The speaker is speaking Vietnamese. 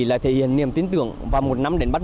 lại thể hiện niềm tin tưởng vào một năm đền bắt